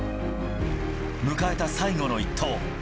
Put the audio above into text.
迎えた最後の一投。